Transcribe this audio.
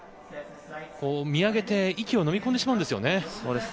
見上げて息をのみ込んでしまうんですよね。